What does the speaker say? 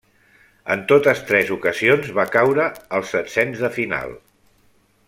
En totes tres ocasions va caure als setzens de final.